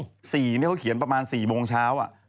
๔นี่เขาเขียนประมาณ๔โมงเช้า